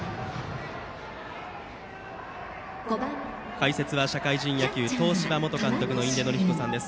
解説は社会人野球東芝元監督の印出順彦さんです。